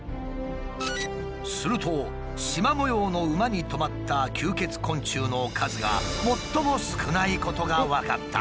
するとシマ模様の馬にとまった吸血昆虫の数が最も少ないことが分かった。